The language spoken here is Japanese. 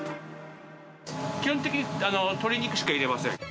基本的に鶏肉しか入れません。